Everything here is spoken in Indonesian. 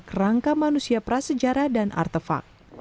kerangka manusia prasejarah dan artefak